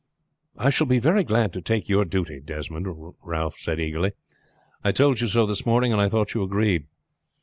"I shall be very glad to take your duty, Desmond," Ralph said eagerly. "I told you so this morning, and I thought you agreed."